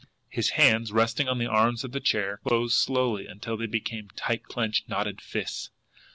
His hands, resting on the arms of the chair, closed slowly until they became tight clenched, knotted fists.